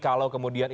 kalau kemudian ini